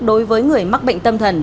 đối với người mắc bệnh tâm thần